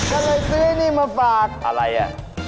ทำไมซื้อนี่มาฝากอะไรน่ะ